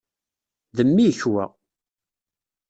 D mmi-k, wa.